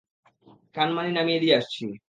কানমাণি নামিয়ে দিয়ে আসছি।